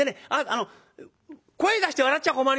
あの声出して笑っちゃ困りますよ。